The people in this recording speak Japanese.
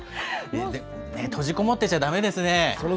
閉じこもってちゃだめですね。